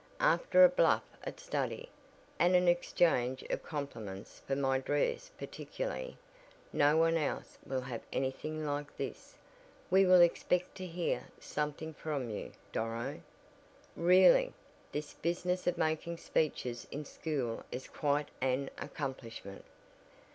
After a bluff at study, and an exchange of compliments, for my dress particularly (no one else will have anything like this) we will expect to hear something from you, Doro. Really, this business of making speeches in school is quite an accomplishment.